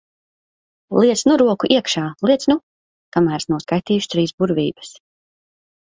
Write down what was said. Liec nu roku iekšā, liec nu! Kamēr es noskaitīšu trīs burvības.